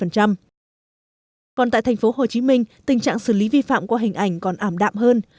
còn tại tp hcm tình trạng xử lý vi phạm qua hình ảnh còn ảm đạm hơn